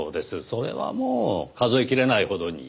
それはもう数えきれないほどに。